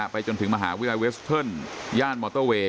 ไปจนถึงมหาวิทยาลัยเวสเทิร์นย่านมอเตอร์เวย์